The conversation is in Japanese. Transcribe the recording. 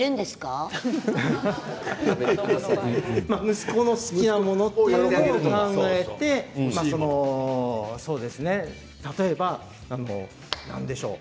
息子の好きなものを考えて例えば何でしょう。